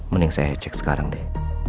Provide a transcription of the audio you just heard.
mending saya cek sekarang deh